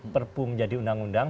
perpu menjadi undang undang